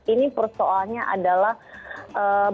ini persoalnya adalah bagaimana